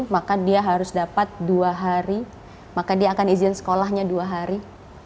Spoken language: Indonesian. maka dia harus dapat dua hari maka dia akan izin sekolahnya dua hari